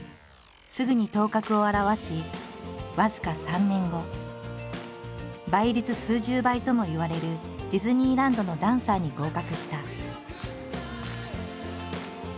すぐに頭角を現し僅か３年後倍率数十倍ともいわれるディズニーランドのダンサーに合格した。